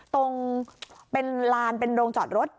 ตรงเป็นโรงจอดรถ